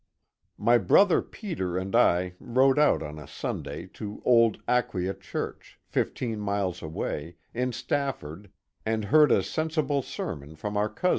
My brother Peter and I rode out on a Sunday to old Aquia church, fifteen miles away, in Stafford, and heard a sensible sermon from our cousin.